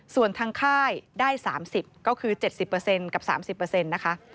ส่วนทางค่ายได้๓๐ก็คือ๗๐กับ๓๐นะคะ